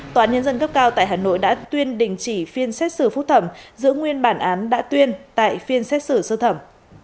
tòa án nhân dân cấp cao tại hà nội đã tuyên đình chỉ phiên xét xử phúc thẩm giữ nguyên bản án đã tuyên tại phiên xét xử sơ thẩm